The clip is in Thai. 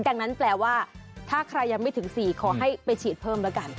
ดังนั้นแปลว่าถ้าใครยังไม่ถึง๔ขอให้ไปฉีดเพิ่มแล้วกัน